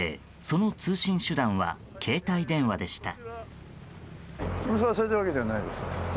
その通信手段は携帯電話でした。